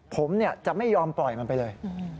ผมจะไม่ยอมปล่อยมันไปเลย